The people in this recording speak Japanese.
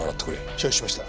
承知しました。